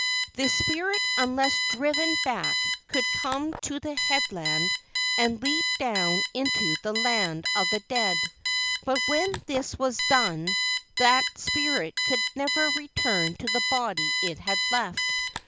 The spirit unless driven back could come to the headland and leap down into the land of the dead, but when this was done that spirit could never return to the body it had left.